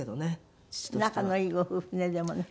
仲のいいご夫婦ねでもね。